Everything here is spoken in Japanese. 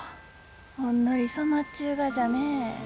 ほんのり染まっちゅうがじゃね。